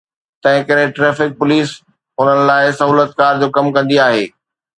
تنهنڪري traffic police انهن لاءِ سهولتڪار جو ڪم ڪندي آهي.